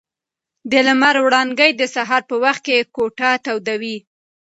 د لمر وړانګې د سهار په وخت کې کوټه تودوي.